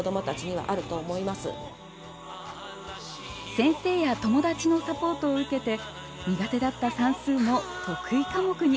先生や友達のサポートを受けて苦手だった算数も得意科目に。